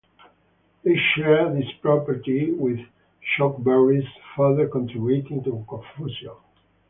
They share this property with chokeberries, further contributing to confusion.